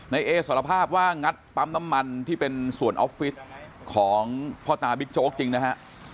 เอสารภาพว่างัดปั๊มน้ำมันที่เป็นส่วนออฟฟิศของพ่อตาบิ๊กโจ๊กจริงนะฮะ